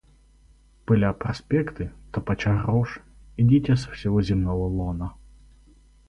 Пыля проспекты, топоча рожь, идите со всего земного лона.